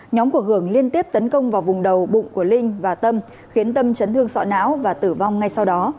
nhóm của hường liên tiếp tấn công vào vùng đầu bụng của linh và tâm khiến tâm chấn thương sọ não và tử vong ngay sau đó